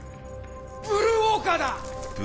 ブルーウォーカーだ！